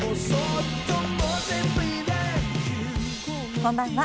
こんばんは。